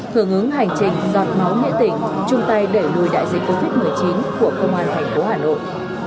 hưởng ứng hành trình giọt máu nghĩa tình chung tay đẩy lùi đại dịch covid một mươi chín của công an thành phố hà nội